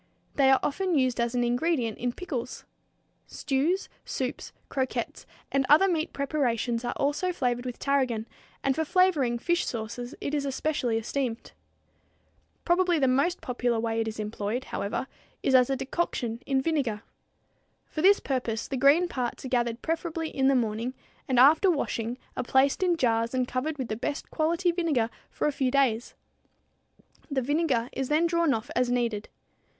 They are often used as an ingredient in pickles. Stews, soups, croquettes, and other meat preparations are also flavored with tarragon, and for flavoring fish sauces it is especially esteemed. Probably the most popular way it is employed, however, is as a decoction in vinegar. For this purpose, the green parts are gathered preferably in the morning and after washing are placed in jars and covered with the best quality vinegar for a few days. The vinegar is then drawn off as needed.